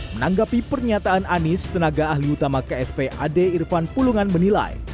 menanggapi pernyataan anies tenaga ahli utama ksp ad irvan pulungan menilai